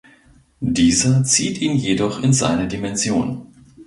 Dieser zieht ihn jedoch in seine Dimension.